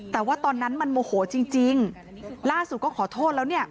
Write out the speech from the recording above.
แต่ว่าตอนนั้นมันโมโหจริงจริงล่าสุดก็ขอโทษแล้วเนี่ย